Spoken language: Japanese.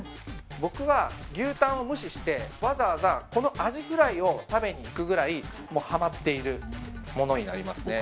僕は牛タンを無視してわざわざこのアジフライを食べに行くぐらいもうハマっているものになりますね。